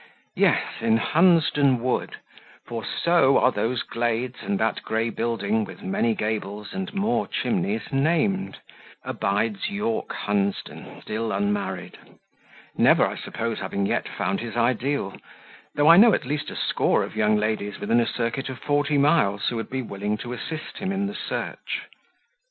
Yes, in Hunsden Wood for so are those glades and that grey building, with many gables and more chimneys, named abides Yorke Hunsden, still unmarried; never, I suppose, having yet found his ideal, though I know at least a score of young ladies within a circuit of forty miles, who would be willing to assist him in the search.